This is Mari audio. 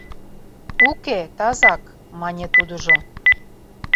— Уке, тазак, — мане тудыжо.